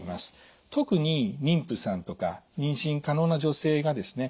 特に妊婦さんとか妊娠可能な女性がですね